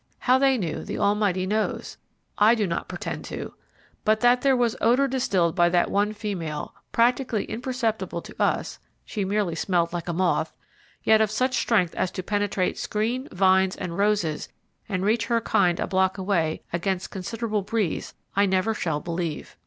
How they knew, the Almighty knows; I do not pretend to; but that there was odour distilled by that one female, practically imperceptible to us (she merely smelled like a moth), yet of such strength as to penetrate screen, vines, and roses and reach her kind a block away, against considerable breeze, I never shall believe.